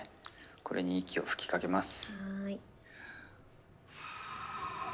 これに息を吹きかけます。